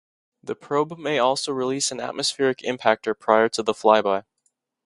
The probe may also release an atmospheric impactor prior to the flyby.